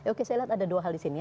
oke saya lihat ada dua hal di sini